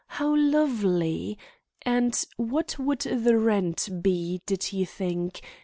How lovely! and what would the rent be, did he think?